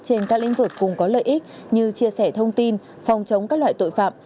trên các lĩnh vực cùng có lợi ích như chia sẻ thông tin phòng chống các loại tội phạm